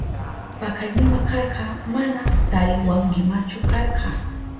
Pakaynima karka, mana tariwankimachu karka.